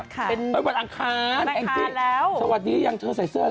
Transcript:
ค่ะเป็นวันอังคารอังคารแล้วสวัสดียังเธอใส่เสื้อแล้ว